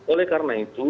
oleh karena itu